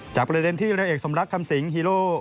จากบริเวณที่เนวเรียงสมรักผู้ศึกษา